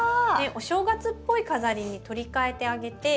お正月っぽい飾りに取り替えてあげて。